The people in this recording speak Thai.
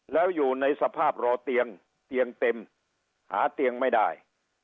แล้วอยู่ในสภาพรอเตียงเตียงเต็มหาเตียงไม่ได้